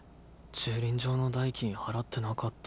駐輪場の代金払ってなかった。